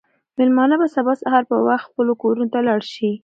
مېلمانه به سبا سهار په وخت خپلو کورونو ته لاړ شي.